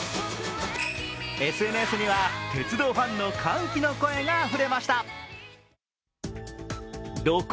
ＳＮＳには、鉄道ファンの歓喜の声があふれました。